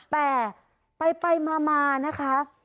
แต่ไปมานะคะ